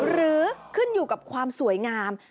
หรือขึ้นอยู่กับความสวยงาม